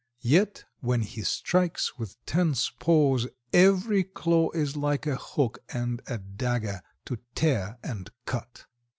Yet when he strikes with tense paws every claw is like a hook and a dagger to tear and cut.